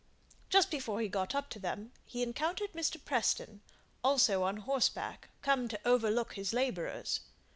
Just before he got up to them he encountered Mr. Preston, also on horseback, come to overlook his labourers.